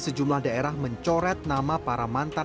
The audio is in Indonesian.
sejumlah daerah mencoret nama para mantan